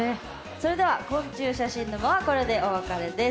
それでは「昆虫写真沼」はこれでお別れです。